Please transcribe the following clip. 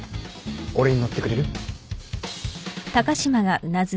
俺に乗ってくれる？